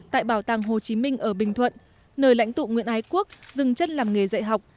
tại bảo tàng hồ chí minh ở bình thuận nơi lãnh tụ nguyễn ái quốc dừng chân làm nghề dạy học